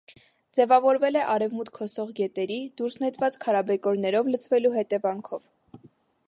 Ձևավորվել է արևմուտք հոսող գետերի՝ դուրս նետված քարաբեկորներով լցվելու հետևանքով։